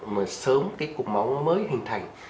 mà sớm cái cục máu mới hình thành